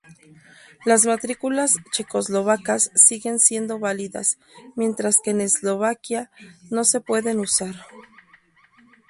Las matrículas checoslovacas siguen siendo válidas, mientras que en Eslovaquia no se pueden usar.